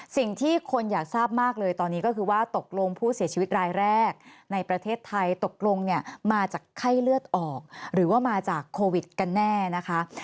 สิ่งที่คนอยากทราบมากเลยตอนนี้ก็คือว่าตกลงผู้เสียชีวิตรายแรกในประเทศไทยตกลงเนี่ยมาจากไข้เลือดออกหรือว่ามาจากโควิดกันแน่นะคะ